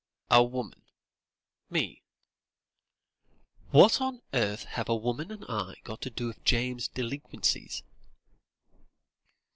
"A woman me? What on earth have a woman and I got to do with James's delinquencies?"